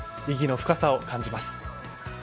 意義の深さを感じます。